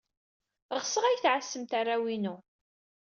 Ɣseɣ ad iyi-tɛassem arraw-inu.